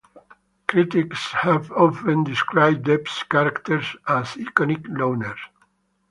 Critics have often described Depp's characters as "iconic loners".